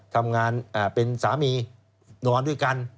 ทำงานเป็นสามีนอนด้วยกัน